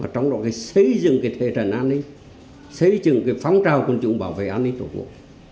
trong đó xây dựng thể trận an ninh xây dựng phong trào côn trùng bảo vệ an ninh tổng hợp